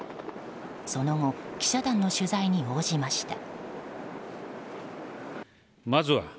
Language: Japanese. その後記者団の取材に応じました。